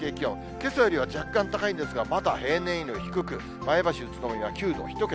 けさよりは若干高いんですが、まだ平年よりは低く、前橋、宇都宮は９度、１桁。